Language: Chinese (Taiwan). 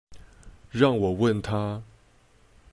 讓我問他